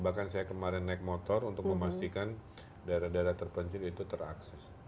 bahkan saya kemarin naik motor untuk memastikan daerah daerah terpencil itu terakses